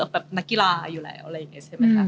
แบบนักกีฬาอยู่แล้วอะไรเงี้ยใช่มั้ยคะ